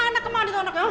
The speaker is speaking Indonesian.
anak kemauan itu anaknya